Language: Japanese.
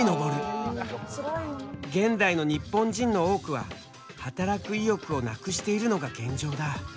現代の日本人の多くは働く意欲をなくしているのが現状だ。